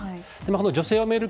女性を巡る